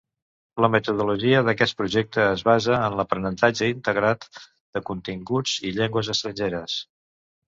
La metodologia d'aquest projecte es basa en l'aprenentatge integrat de continguts i llengües estrangeres.